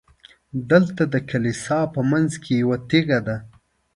دلته د کلیسا په منځ کې یوه تیږه ده.